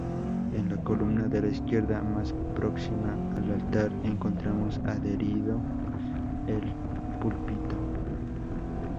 En la columna de la izquierda más próxima al altar encontramos adherido el púlpito.